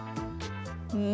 うん？